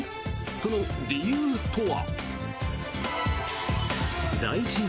その理由とは。